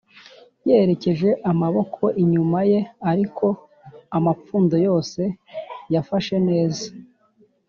yerekeje amaboko inyuma ye; ariko amapfundo yose yafashe neza!